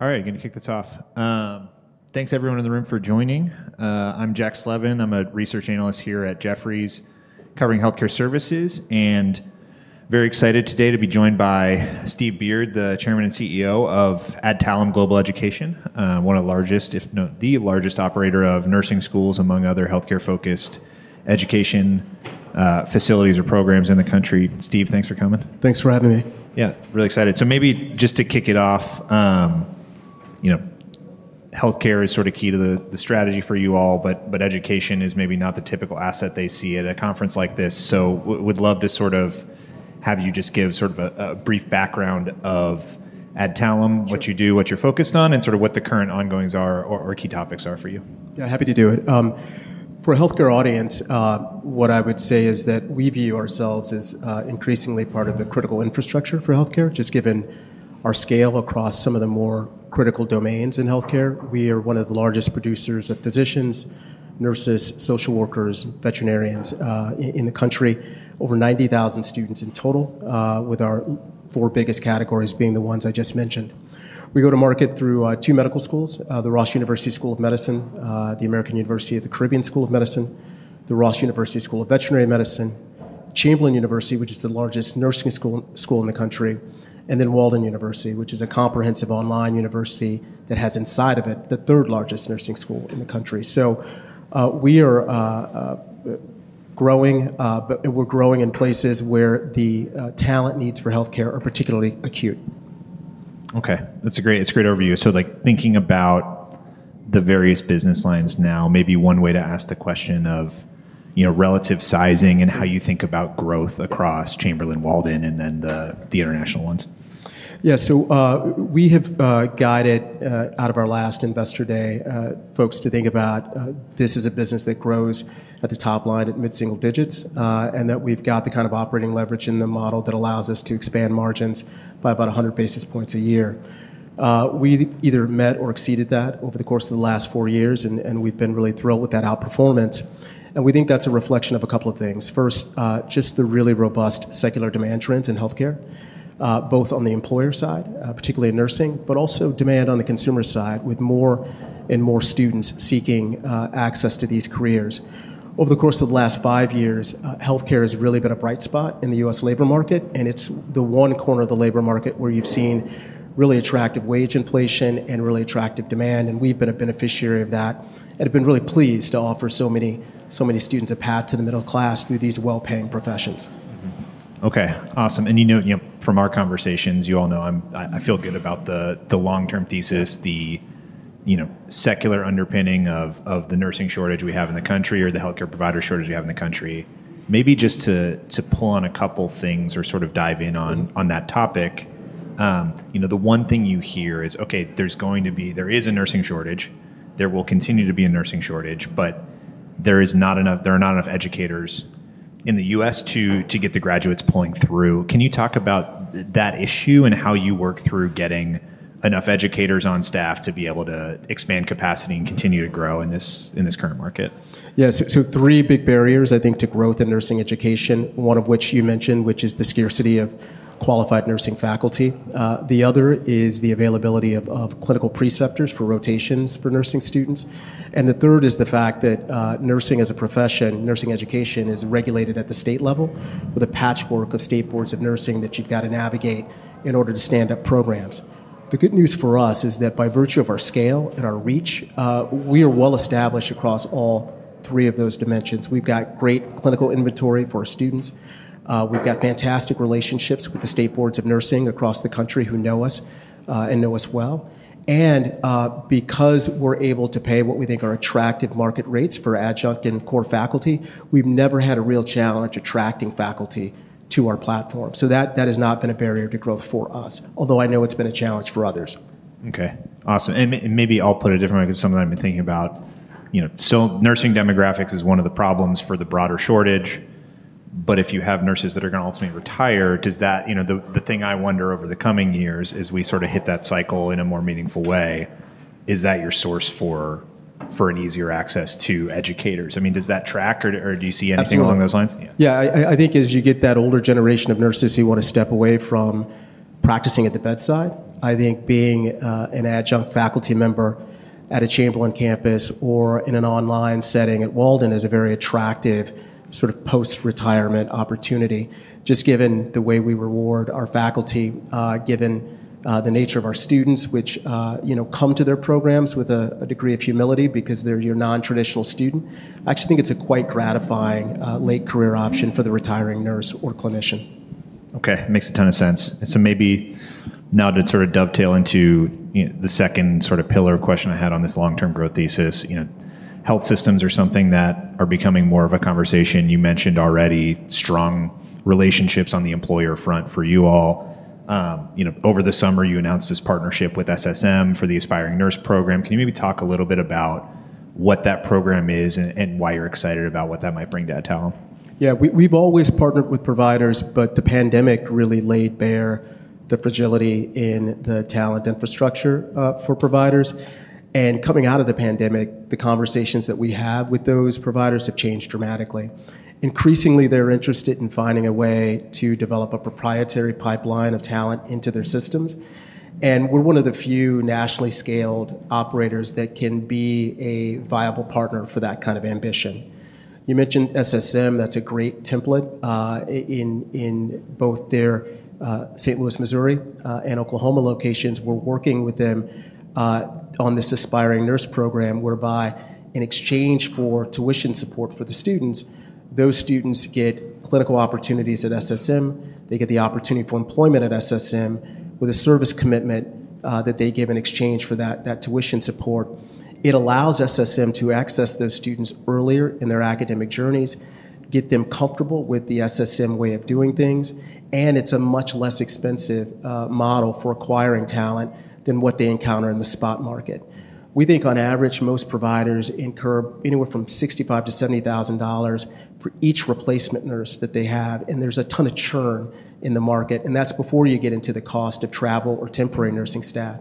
All right, I'm going to kick this off. Thanks, everyone in the room for joining. I'm Jack Slevin. I'm a research analyst here at Jefferies, covering health care services, and very excited today to be joined by Steve Beard, the Chairman and CEO of Adtalem Global Education, one of the largest, if not the largest, operator of nursing schools, among other health care-focused education facilities or programs in the U.S. Steve, thanks for coming. Thanks for having me. Yeah, really excited. Maybe just to kick it off, health care is sort of key to the strategy for you all, but education is maybe not the typical asset they see at a conference like this. We'd love to have you just give a brief background of Adtalem, what you do, what you're focused on, and what the current ongoings are, or key topics are for you. Yeah, happy to do it. For a health care audience, what I would say is that we view ourselves as increasingly part of the critical infrastructure for health care, just given our scale across some of the more critical domains in health care. We are one of the largest producers of physicians, nurses, social workers, veterinarians in the country, over 90,000 students in total, with our four biggest categories being the ones I just mentioned. We go to market through two medical schools, the Ross University School of Medicine, the American University of the Caribbean School of Medicine, the Ross University School of Veterinary Medicine, Chamberlain University, which is the largest nursing school in the country, and Walden University, which is a comprehensive online university that has inside of it the third largest nursing school in the country. We are growing, but we're growing in places where the talent needs for health care are particularly acute. OK, that's a great overview. Thinking about the various business lines now, maybe one way to ask the question of relative sizing and how you think about growth across Chamberlain, Walden, and then the international ones. Yeah, so we have guided, out of our last Investor Day, folks to think about this as a business that grows at the top line at mid-single digits, and that we've got the kind of operating leverage in the model that allows us to expand margins by about 100 basis points a year. We either met or exceeded that over the course of the last four years, and we've been really thrilled with that outperformance. We think that's a reflection of a couple of things. First, just the really robust secular demand trends in health care, both on the employer side, particularly in nursing, but also demand on the consumer side, with more and more students seeking access to these careers. Over the course of the last five years, health care has really been a bright spot in the U.S. labor market, and it's the one corner of the labor market where you've seen really attractive wage inflation and really attractive demand. We've been a beneficiary of that and have been really pleased to offer so many students a path to the middle class through these well-paying professions. OK, awesome. You know, from our conversations, you all know I feel good about the long-term thesis, the secular underpinning of the nursing shortage we have in the country, or the health care provider shortage we have in the country. Maybe just to pull on a couple of things or sort of dive in on that topic. The one thing you hear is, OK, there's going to be, there is a nursing shortage. There will continue to be a nursing shortage, but there are not enough educators in the U.S. to get the graduates pulling through. Can you talk about that issue and how you work through getting enough educators on staff to be able to expand capacity and continue to grow in this current market? Yeah, so three big barriers, I think, to growth in nursing education, one of which you mentioned, which is the scarcity of qualified nursing faculty. The other is the availability of clinical preceptors for rotations for nursing students. The third is the fact that nursing as a profession, nursing education, is regulated at the state level, with a patchwork of state boards of nursing that you've got to navigate in order to stand up programs. The good news for us is that by virtue of our scale and our reach, we are well established across all three of those dimensions. We've got great clinical inventory for our students. We've got fantastic relationships with the state boards of nursing across the country who know us and know us well. Because we're able to pay what we think are attractive market rates for adjunct and core faculty, we've never had a real challenge attracting faculty to our platform. That has not been a barrier to growth for us, although I know it's been a challenge for others. OK, awesome. Maybe I'll put it a different way because it's something I've been thinking about. Nursing demographics is one of the problems for the broader shortage, but if you have nurses that are going to ultimately retire, does that, the thing I wonder over the coming years as we sort of hit that cycle in a more meaningful way, is that your source for an easier access to educators? I mean, does that track, or do you see anything along those lines? Yeah, I think as you get that older generation of nurses who want to step away from practicing at the bedside, I think being an adjunct faculty member at a Chamberlain campus or in an online setting at Walden is a very attractive sort of post-retirement opportunity, just given the way we reward our faculty, given the nature of our students, which come to their programs with a degree of humility because they're your non-traditional student. I actually think it's a quite gratifying late-career option for the retiring nurse or clinician. OK, makes a ton of sense. Maybe now to sort of dovetail into the second sort of pillar question I had on this long-term growth thesis, health systems are something that are becoming more of a conversation. You mentioned already strong relationships on the employer front for you all. Over the summer, you announced this partnership with SSM Health for the Aspiring Nurse program. Can you maybe talk a little bit about what that program is and why you're excited about what that might bring to Adtalem? Yeah, we've always partnered with providers, but the pandemic really laid bare the fragility in the talent infrastructure for providers. Coming out of the pandemic, the conversations that we have with those providers have changed dramatically. Increasingly, they're interested in finding a way to develop a proprietary pipeline of talent into their systems. We're one of the few nationally scaled operators that can be a viable partner for that kind of ambition. You mentioned SSM. That's a great template in both their St. Louis, Missouri, and Oklahoma locations. We're working with them on this Aspiring Nurse program, whereby in exchange for tuition support for the students, those students get clinical opportunities at SSM. They get the opportunity for employment at SSM with a service commitment that they give in exchange for that tuition support. It allows SSM to access those students earlier in their academic journeys, get them comfortable with the SSM way of doing things, and it's a much less expensive model for acquiring talent than what they encounter in the spot market. We think on average, most providers incur anywhere from $65,000-$70,000 for each replacement nurse that they have, and there's a ton of churn in the market. That's before you get into the cost of travel or temporary nursing staff.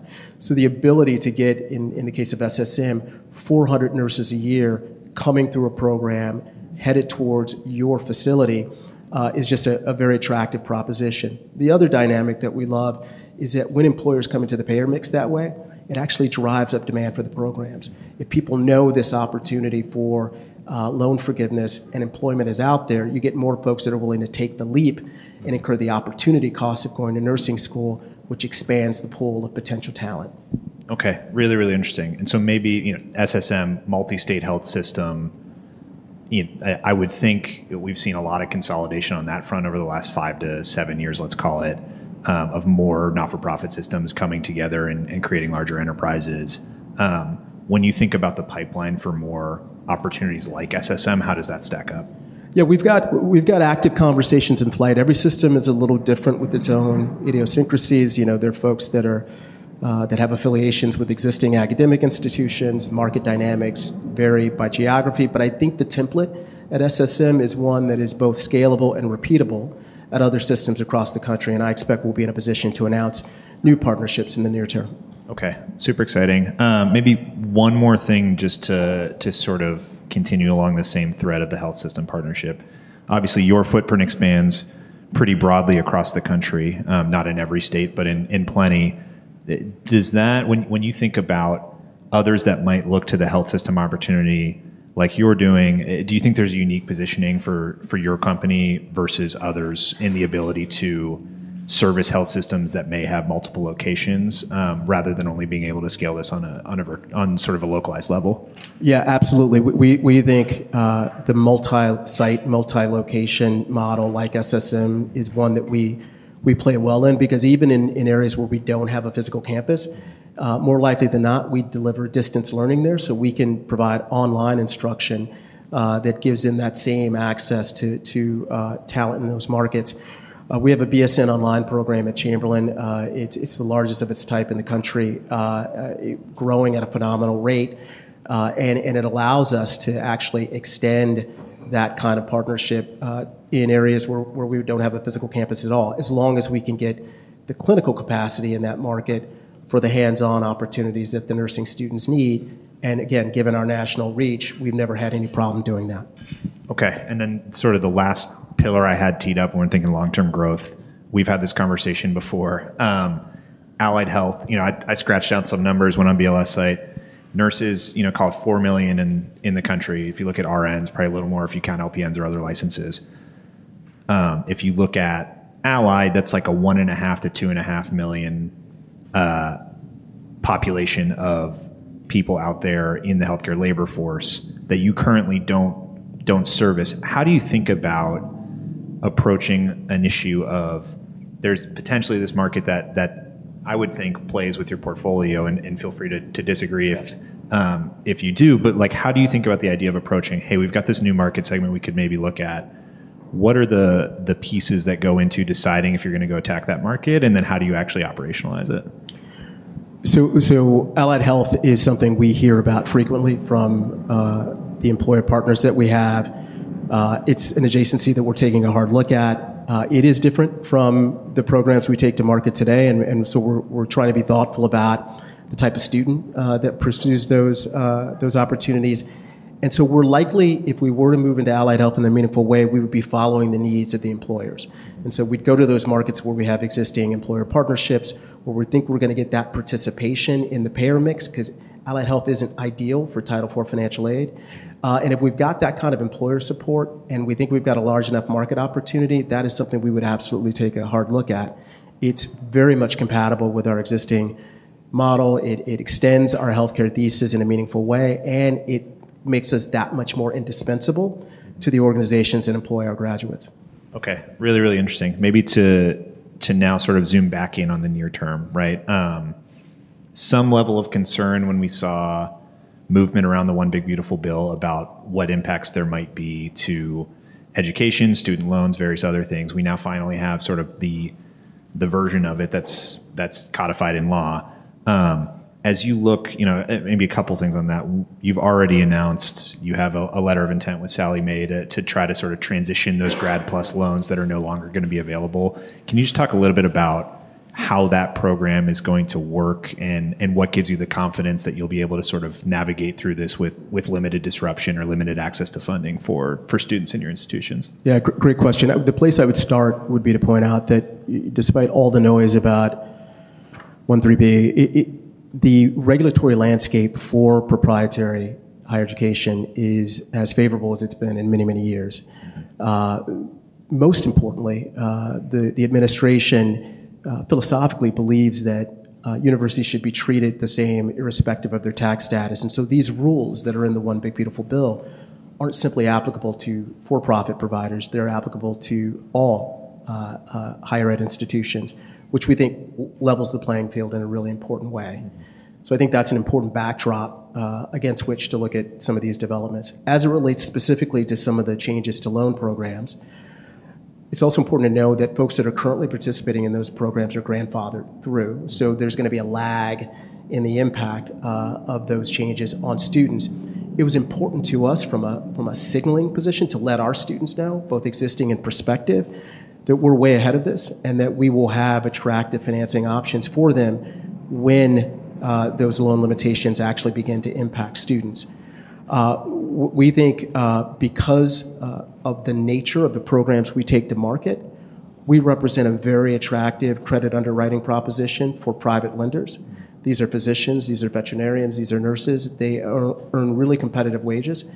The ability to get, in the case of SSM, 400 nurses a year coming through a program headed towards your facility is just a very attractive proposition. The other dynamic that we love is that when employers come into the payer mix that way, it actually drives up demand for the programs. If people know this opportunity for loan forgiveness and employment is out there, you get more folks that are willing to take the leap and incur the opportunity cost of going to nursing school, which expands the pool of potential talent. OK, really, really interesting. Maybe SSM, multi-state health system, I would think we've seen a lot of consolidation on that front over the last five to seven years, let's call it, of more not-for-profit systems coming together and creating larger enterprises. When you think about the pipeline for more opportunities like SSM, how does that stack up? We've got active conversations in flight. Every system is a little different with its own idiosyncrasies. There are folks that have affiliations with existing academic institutions. Market dynamics vary by geography. I think the template at SSM is one that is both scalable and repeatable at other systems across the country. I expect we'll be in a position to announce new partnerships in the near term. OK, super exciting. Maybe one more thing just to sort of continue along the same thread of the health system partnership. Obviously, your footprint expands pretty broadly across the country, not in every state, but in plenty. When you think about others that might look to the health system opportunity like you're doing, do you think there's a unique positioning for your company versus others in the ability to service health systems that may have multiple locations rather than only being able to scale this on sort of a localized level? Yeah, absolutely. We think the multi-site, multi-location model like SSM is one that we play well in because even in areas where we don't have a physical campus, more likely than not, we deliver distance learning there, so we can provide online instruction that gives them that same access to talent in those markets. We have a BSN online program at Chamberlain University. It's the largest of its type in the U.S., growing at a phenomenal rate. It allows us to actually extend that kind of partnership in areas where we don't have a physical campus at all, as long as we can get the clinical capacity in that market for the hands-on opportunities that the nursing students need. Given our national reach, we've never had any problem doing that. OK, and then sort of the last pillar I had teed up when we're thinking long-term growth. We've had this conversation before. Allied Health, I scratched out some numbers when on BLS site. Nurses, call it 4 million in the country. If you look at RNs, probably a little more if you count LPNs or other licenses. If you look at Allied, that's like a 1.5 million-2.5 million population of people out there in the health care labor force that you currently don't service. How do you think about approaching an issue of there's potentially this market that I would think plays with your portfolio? Feel free to disagree if you do. How do you think about the idea of approaching, hey, we've got this new market segment we could maybe look at? What are the pieces that go into deciding if you're going to go attack that market? How do you actually operationalize it? Allied Health is something we hear about frequently from the employer partners that we have. It's an adjacency that we're taking a hard look at. It is different from the programs we take to market today. We're trying to be thoughtful about the type of student that pursues those opportunities. We're likely, if we were to move into Allied Health in a meaningful way, to be following the needs of the employers. We'd go to those markets where we have existing employer partnerships, where we think we're going to get that participation in the payer mix because Allied Health isn't ideal for Title IV financial aid. If we've got that kind of employer support and we think we've got a large enough market opportunity, that is something we would absolutely take a hard look at. It's very much compatible with our existing model. It extends our health care thesis in a meaningful way. It makes us that much more indispensable to the organizations that employ our graduates. OK, really, really interesting. Maybe to now sort of zoom back in on the near term, right? Some level of concern when we saw movement around the One Big Beautiful Bill about what impacts there might be to education, student loans, various other things. We now finally have sort of the version of it that's codified in law. As you look, maybe a couple of things on that. You've already announced you have a letter of intent with Sallie Mae to try to sort of transition those Grad PLUS loans that are no longer going to be available. Can you just talk a little bit about how that program is going to work and what gives you the confidence that you'll be able to sort of navigate through this with limited disruption or limited access to funding for students in your institutions? Yeah, great question. The place I would start would be to point out that despite all the noise about 13B, the regulatory landscape for proprietary higher education is as favorable as it's been in many, many years. Most importantly, the administration philosophically believes that universities should be treated the same irrespective of their tax status. These rules that are in the One Big Beautiful Bill aren't simply applicable to for-profit providers. They're applicable to all higher ed institutions, which we think levels the playing field in a really important way. I think that's an important backdrop against which to look at some of these developments. As it relates specifically to some of the changes to loan programs, it's also important to know that folks that are currently participating in those programs are grandfathered through. There's going to be a lag in the impact of those changes on students. It was important to us from a signaling position to let our students know, both existing and prospective, that we're way ahead of this and that we will have attractive financing options for them when those loan limitations actually begin to impact students. We think because of the nature of the programs we take to market, we represent a very attractive credit underwriting proposition for private lenders. These are physicians. These are veterinarians. These are nurses. They earn really competitive wages.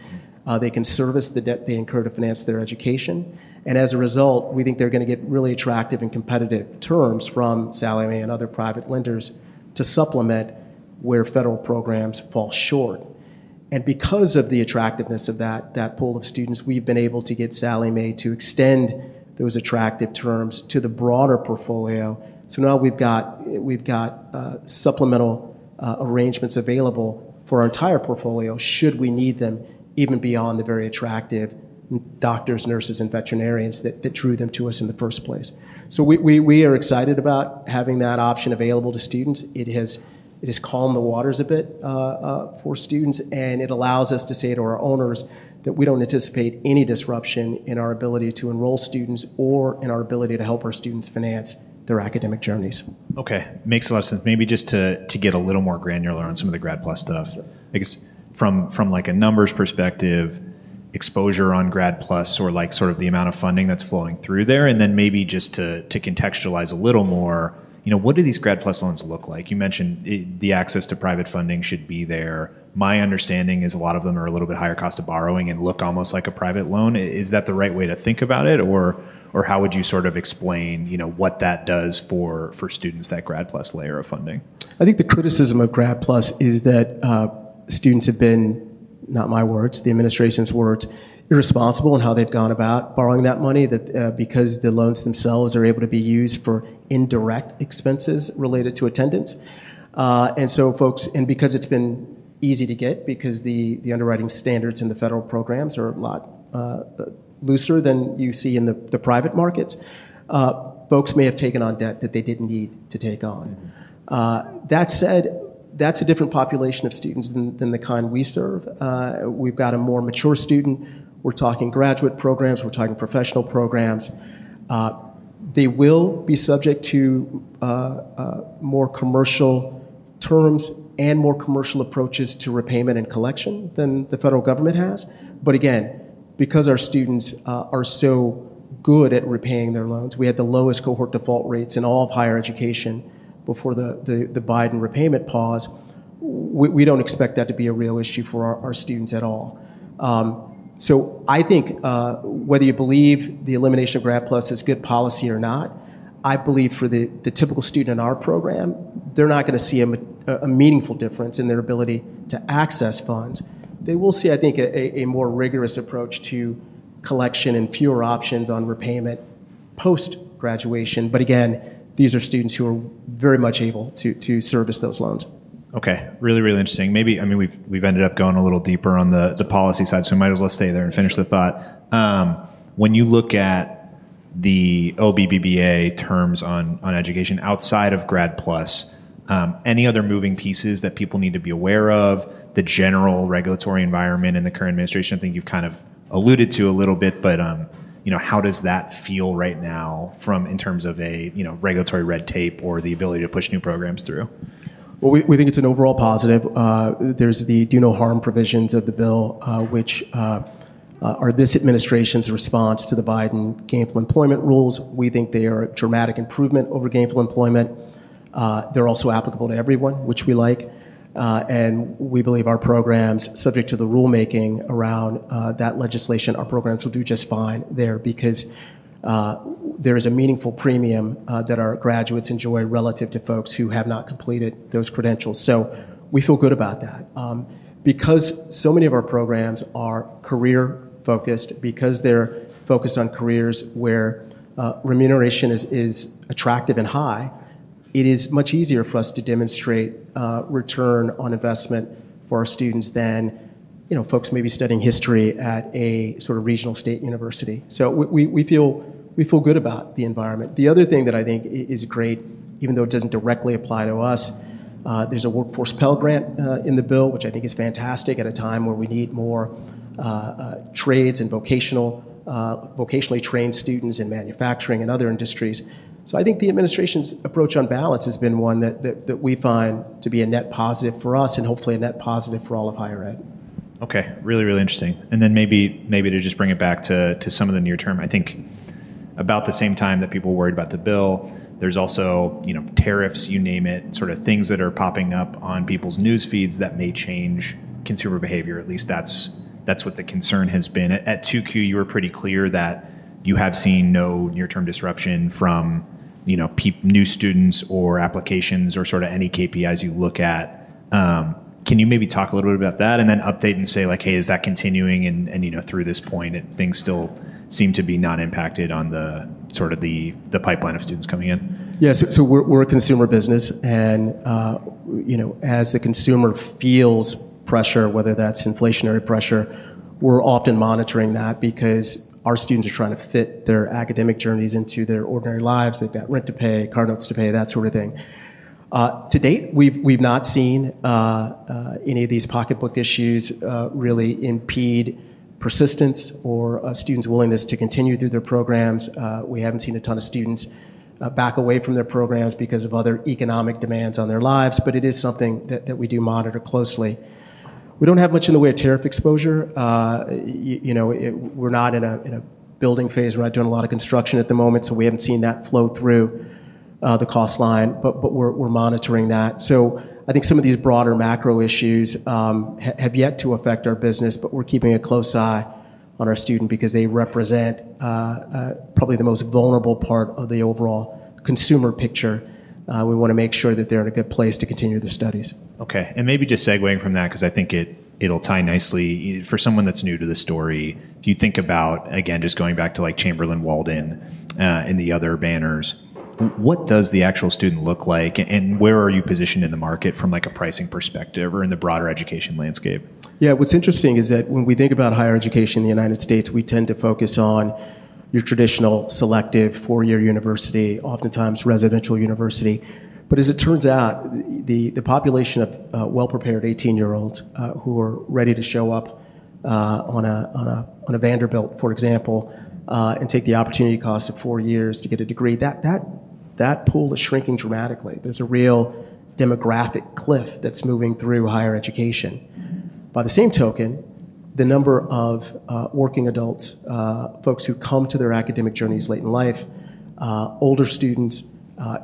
They can service the debt they incur to finance their education. As a result, we think they're going to get really attractive and competitive terms from Sallie Mae and other private lenders to supplement where federal programs fall short. Because of the attractiveness of that pool of students, we've been able to get Sallie Mae to extend those attractive terms to the broader portfolio. Now we've got supplemental arrangements available for our entire portfolio should we need them, even beyond the very attractive doctors, nurses, and veterinarians that drew them to us in the first place. We are excited about having that option available to students. It has calmed the waters a bit for students. It allows us to say to our owners that we don't anticipate any disruption in our ability to enroll students or in our ability to help our students finance their academic journeys. OK, makes a lot of sense. Maybe just to get a little more granular on some of the Grad PLUS stuff, I guess from like a numbers perspective, exposure on Grad PLUS or like sort of the amount of funding that's flowing through there. Maybe just to contextualize a little more, what do these Grad PLUS loans look like? You mentioned the access to private funding should be there. My understanding is a lot of them are a little bit higher cost of borrowing and look almost like a private loan. Is that the right way to think about it? How would you sort of explain what that does for students, that Grad PLUS layer of funding? I think the criticism of Grad PLUS is that students have been, not my words, the administration's words, irresponsible in how they've gone about borrowing that money, because the loans themselves are able to be used for indirect expenses related to attendance. Folks, and because it's been easy to get, because the underwriting standards in the federal student loan programs are a lot looser than you see in the private markets, folks may have taken on debt that they didn't need to take on. That said, that's a different population of students than the kind we serve. We've got a more mature student. We're talking graduate programs. We're talking professional programs. They will be subject to more commercial terms and more commercial approaches to repayment and collection than the federal government has. Again, because our students are so good at repaying their loans, we had the lowest cohort default rates in all of higher education before the Biden repayment pause. We don't expect that to be a real issue for our students at all. I think whether you believe the elimination of Grad PLUS is good policy or not, I believe for the typical student in our program, they're not going to see a meaningful difference in their ability to access funds. They will see, I think, a more rigorous approach to collection and fewer options on repayment post-graduation. Again, these are students who are very much able to service those loans. OK. Really, really interesting. Maybe, I mean, we've ended up going a little deeper on the policy side, so I might as well stay there and finish the thought. When you look at the OBBBA terms on education outside of Grad PLUS, any other moving pieces that people need to be aware of, the general regulatory environment in the current administration? I think you've kind of alluded to a little bit, but how does that feel right now in terms of regulatory red tape or the ability to push new programs through? It is an overall positive. There are the do no harm provisions of the bill, which are this administration's response to the Biden gainful employment rules. We think they are a dramatic improvement over gainful employment. They are also applicable to everyone, which we like. We believe our programs, subject to the rulemaking around that legislation, will do just fine there because there is a meaningful premium that our graduates enjoy relative to folks who have not completed those credentials. We feel good about that. Because so many of our programs are career-focused, because they're focused on careers where remuneration is attractive and high, it is much easier for us to demonstrate return on investment for our students than folks maybe studying history at a sort of regional state university. We feel good about the environment. The other thing that I think is great, even though it doesn't directly apply to us, is there's a workforce Pell Grant in the bill, which I think is fantastic at a time where we need more trades and vocationally trained students in manufacturing and other industries. I think the administration's approach on balance has been one that we find to be a net positive for us and hopefully a net positive for all of higher ed. OK, really, really interesting. Maybe to just bring it back to some of the near term, I think about the same time that people worried about the bill, there's also tariffs, you name it, sort of things that are popping up on people's news feeds that may change consumer behavior. At least that's what the concern has been. At 2Q, you were pretty clear that you have seen no near-term disruption from new students or applications or sort of any KPIs you look at. Can you maybe talk a little bit about that and then update and say, like, hey, is that continuing? Through this point, things still seem to be not impacted on the sort of the pipeline of students coming in? Yeah, so we're a consumer business. As the consumer feels pressure, whether that's inflationary pressure, we're often monitoring that because our students are trying to fit their academic journeys into their ordinary lives. They've got rent to pay, car notes to pay, that sort of thing. To date, we've not seen any of these pocketbook issues really impede persistence or students' willingness to continue through their programs. We haven't seen a ton of students back away from their programs because of other economic demands on their lives. It is something that we do monitor closely. We don't have much in the way of tariff exposure. We're not in a building phase. We're not doing a lot of construction at the moment. We haven't seen that flow through the cost line. We're monitoring that. I think some of these broader macro issues have yet to affect our business, but we're keeping a close eye on our students because they represent probably the most vulnerable part of the overall consumer picture. We want to make sure that they're in a good place to continue their studies. OK, maybe just segueing from that, because I think it'll tie nicely, for someone that's new to the story, if you think about, again, just going back to Chamberlain, Walden, and the other banners, what does the actual student look like? Where are you positioned in the market from a pricing perspective or in the broader education landscape? Yeah, what's interesting is that when we think about higher education in the U.S., we tend to focus on your traditional selective four-year university, oftentimes residential university. As it turns out, the population of well-prepared 18-year-olds who are ready to show up on a Vanderbilt, for example, and take the opportunity cost of four years to get a degree, that pool is shrinking dramatically. There's a real demographic cliff that's moving through higher education. By the same token, the number of working adults, folks who come to their academic journeys late in life, older students,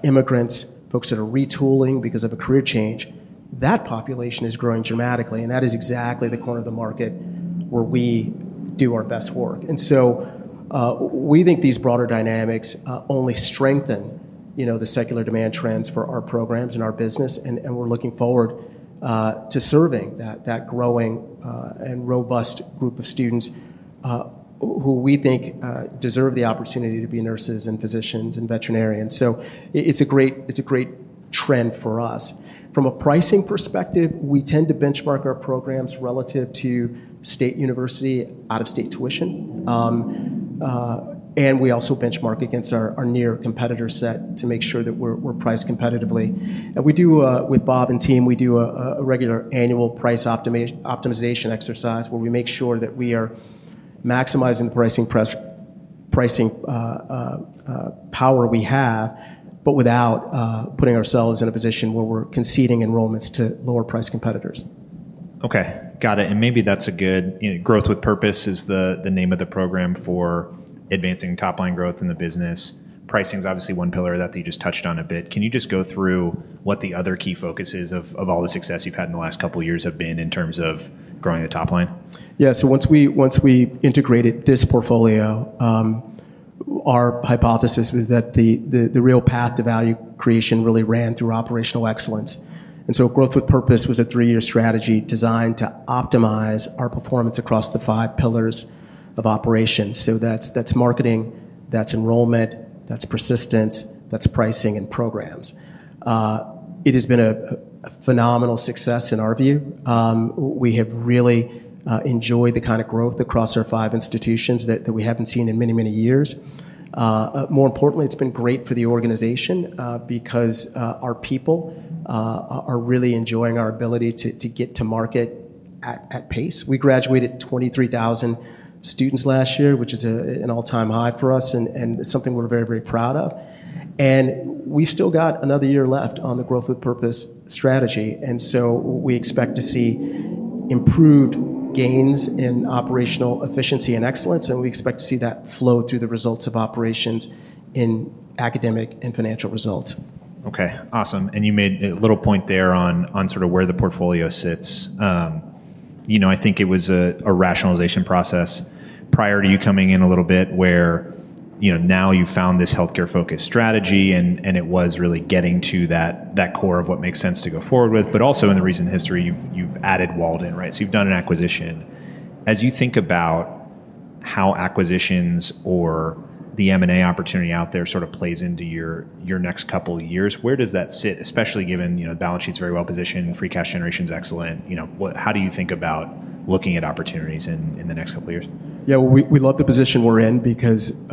immigrants, folks that are retooling because of a career change, that population is growing dramatically. That is exactly the corner of the market where we do our best work. We think these broader dynamics only strengthen the secular demand trends for our programs and our business. We're looking forward to serving that growing and robust group of students who we think deserve the opportunity to be nurses and physicians and veterinarians. It's a great trend for us. From a pricing perspective, we tend to benchmark our programs relative to state university out-of-state tuition. We also benchmark against our near competitor set to make sure that we're priced competitively. We do, with Bob and team, a regular annual price optimization exercise where we make sure that we are maximizing the pricing power we have, but without putting ourselves in a position where we're conceding enrollments to lower price competitors. OK, got it. Maybe that's a good growth with purpose is the name of the program for advancing top-line growth in the business. Pricing is obviously one pillar that you just touched on a bit. Can you just go through what the other key focuses of all the success you've had in the last couple of years have been in terms of growing the top line? Yeah, once we integrated this portfolio, our hypothesis was that the real path to value creation really ran through operational excellence. Growth with Purpose was a three-year strategy designed to optimize our performance across the five pillars of operations. That's marketing, enrollment, persistence, pricing, and programs. It has been a phenomenal success in our view. We have really enjoyed the kind of growth across our five institutions that we haven't seen in many, many years. More importantly, it's been great for the organization because our people are really enjoying our ability to get to market at pace. We graduated 23,000 students last year, which is an all-time high for us and something we're very, very proud of. We still have another year left on the Growth with Purpose strategy. We expect to see improved gains in operational efficiency and excellence, and we expect to see that flow through the results of operations in academic and financial results. OK, awesome. You made a little point there on sort of where the portfolio sits. I think it was a rationalization process prior to you coming in a little bit where now you've found this health care focus strategy, and it was really getting to that core of what makes sense to go forward with. Also, in the recent history, you've added Walden, right? You've done an acquisition. As you think about how acquisitions or the M&A opportunity out there sort of plays into your next couple of years, where does that sit, especially given the balance sheet's very well positioned, free cash generation's excellent? How do you think about looking at opportunities in the next couple of years? Yeah, we love the position we're in because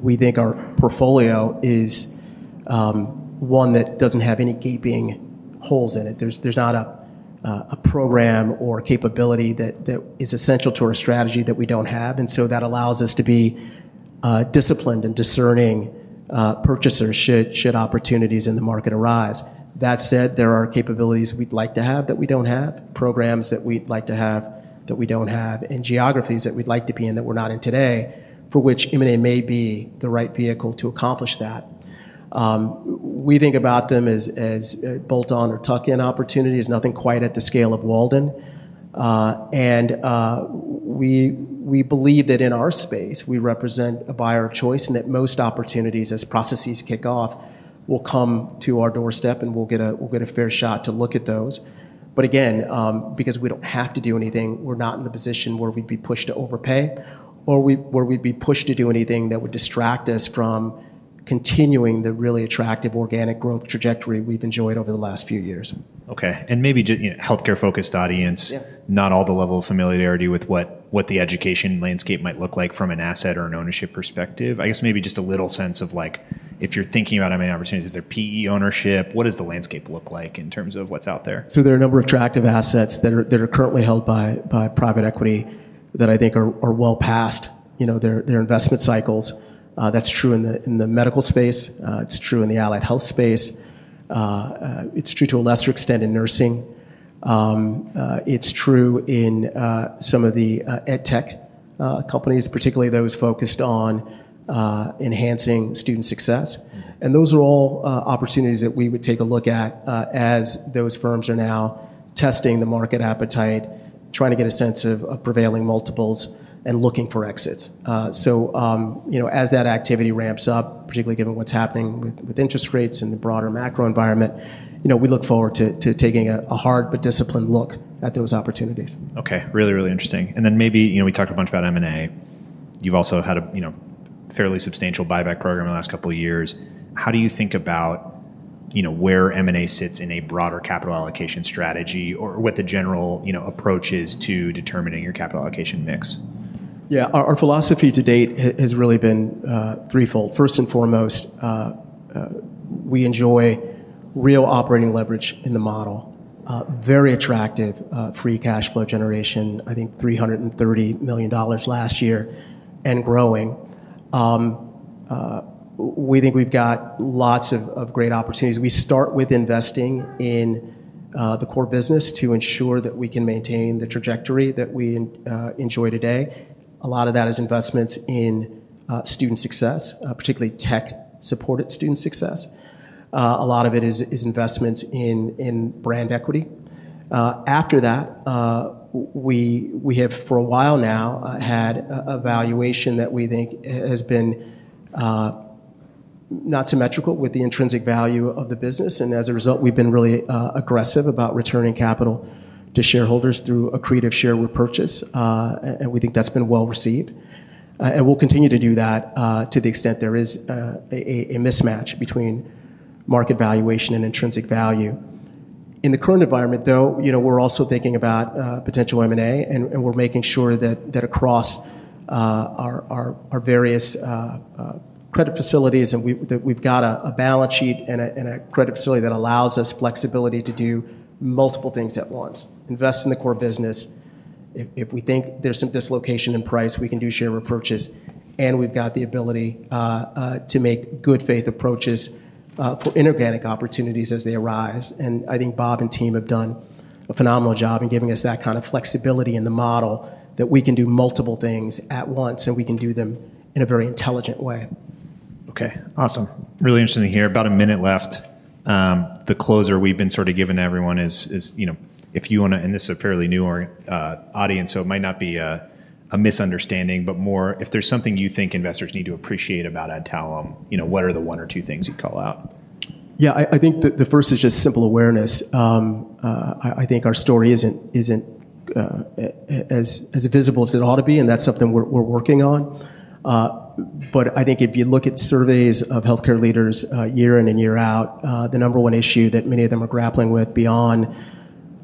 we think our portfolio is one that doesn't have any gaping holes in it. There's not a program or capability that is essential to our strategy that we don't have. This allows us to be disciplined and discerning purchasers should opportunities in the market arise. That said, there are capabilities we'd like to have that we don't have, programs that we'd like to have that we don't have, and geographies that we'd like to be in that we're not in today, for which M&A may be the right vehicle to accomplish that. We think about them as bolt-on or tuck-in opportunities, nothing quite at the scale of Walden. We believe that in our space, we represent a buyer of choice and that most opportunities, as processes kick off, will come to our doorstep and we'll get a fair shot to look at those. Again, because we don't have to do anything, we're not in the position where we'd be pushed to overpay or where we'd be pushed to do anything that would distract us from continuing the really attractive organic growth trajectory we've enjoyed over the last few years. OK, and maybe just health care-focused audience, not all the level of familiarity with what the education landscape might look like from an asset or an ownership perspective. I guess maybe just a little sense of like if you're thinking about M&A opportunities, is there PE ownership? What does the landscape look like in terms of what's out there? There are a number of attractive assets that are currently held by private equity that I think are well past their investment cycles. That's true in the medical space, it's true in the Allied Health space, it's true to a lesser extent in nursing, and it's true in some of the ed tech companies, particularly those focused on enhancing student success. Those are all opportunities that we would take a look at as those firms are now testing the market appetite, trying to get a sense of prevailing multiples, and looking for exits. As that activity ramps up, particularly given what's happening with interest rates and the broader macro environment, we look forward to taking a hard but disciplined look at those opportunities. OK, really, really interesting. Maybe we talked a bunch about M&A. You've also had a fairly substantial buyback program in the last couple of years. How do you think about where M&A sits in a broader capital allocation strategy or what the general approach is to determining your capital allocation mix? Yeah, our philosophy to date has really been threefold. First and foremost, we enjoy real operating leverage in the model, very attractive free cash flow generation, I think $330 million last year and growing. We think we've got lots of great opportunities. We start with investing in the core business to ensure that we can maintain the trajectory that we enjoy today. A lot of that is investments in student success, particularly tech-supported student success. A lot of it is investments in brand equity. After that, we have for a while now had a valuation that we think has been not symmetrical with the intrinsic value of the business. As a result, we've been really aggressive about returning capital to shareholders through a creative share repurchase. We think that's been well received. We'll continue to do that to the extent there is a mismatch between market valuation and intrinsic value. In the current environment, though, we're also thinking about potential M&A. We're making sure that across our various credit facilities that we've got a balance sheet and a credit facility that allows us flexibility to do multiple things at once, invest in the core business. If we think there's some dislocation in price, we can do share repurchase. We've got the ability to make good faith approaches for inorganic opportunities as they arise. I think Bob and team have done a phenomenal job in giving us that kind of flexibility in the model that we can do multiple things at once, and we can do them in a very intelligent way. OK, awesome. Really interesting to hear. About a minute left. The closer we've been sort of giving to everyone is, if you want to, and this is a fairly new audience, so it might not be a misunderstanding, but more if there's something you think investors need to appreciate about Adtalem, what are the one or two things you'd call out? I think the first is just simple awareness. I think our story isn't as visible as it ought to be, and that's something we're working on. If you look at surveys of health care leaders year in and year out, the number one issue that many of them are grappling with beyond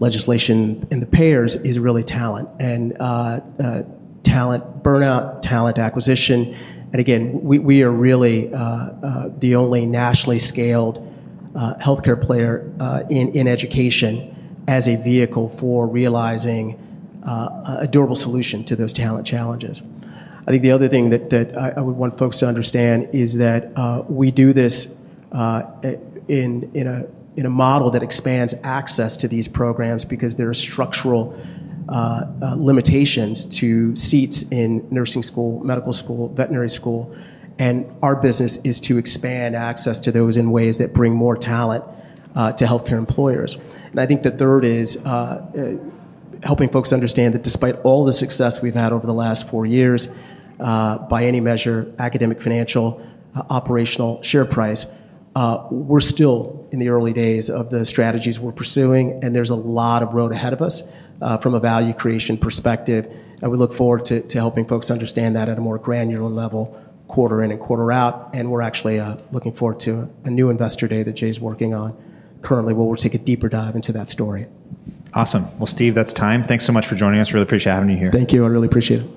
legislation and the payers is really talent and talent burnout, talent acquisition. We are really the only nationally scaled health care player in education as a vehicle for realizing a durable solution to those talent challenges. The other thing that I would want folks to understand is that we do this in a model that expands access to these programs because there are structural limitations to seats in nursing school, medical school, veterinary school. Our business is to expand access to those in ways that bring more talent to health care employers. The third is helping folks understand that despite all the success we've had over the last four years, by any measure, academic, financial, operational, share price, we're still in the early days of the strategies we're pursuing. There's a lot of road ahead of us from a value creation perspective. We look forward to helping folks understand that at a more granular level, quarter in and quarter out. We're actually looking forward to a new Investor Day that Jay is working on currently where we'll take a deeper dive into that story. Awesome. Steve, that's time. Thanks so much for joining us. Really appreciate having you here. Thank you. I really appreciate it.